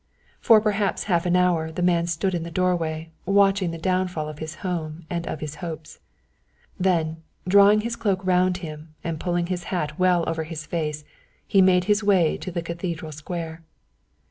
For perhaps half an hour the man stood in the doorway watching the downfall of his home and of his hopes. Then, drawing his cloak round him and pulling his hat well over his face, he made his way to the Cathedral Square.